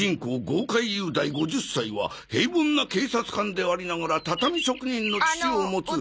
豪快雄大５０歳は平凡な警察官でありながら畳職人の父を持つ。